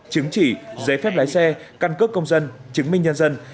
chứng chỉ giấy phép lái xe căn cước công dân chứng minh nhân dân